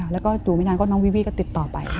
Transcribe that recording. แล้วก็อยู่ไม่นานก็น้องวีวี่ก็ติดต่อไป